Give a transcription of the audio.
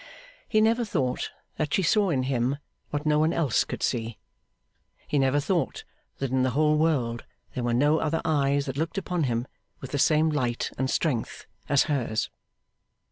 He never thought that she saw in him what no one else could see. He never thought that in the whole world there were no other eyes that looked upon him with the same light and strength as hers.